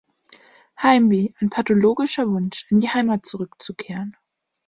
Heimweh, ein pathologischer Wunsch, in die Heimat zurückzukehren.